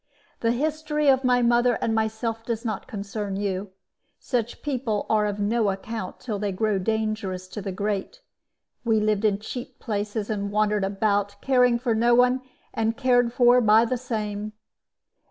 "The history of my mother and myself does not concern you. Such people are of no account until they grow dangerous to the great. We lived in cheap places and wandered about, caring for no one, and cared for by the same.